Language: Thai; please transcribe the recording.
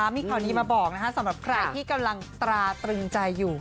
มีข่าวดีมาบอกสำหรับใครที่กำลังตราตรึงใจอยู่